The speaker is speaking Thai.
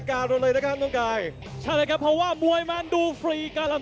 มุมแดงและมุมน้ำเงินนะครับรับไปเลยเงินระหว่างซูเปอร์ไฟเตอร์คนละ๑๐๐๐๐บาท